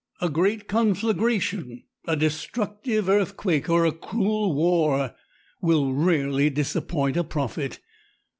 A great conflagration, a destructive earthquake, or a cruel war will rarely disappoint a prophet.